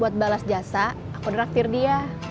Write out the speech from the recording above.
buat balas jasa aku draktir dia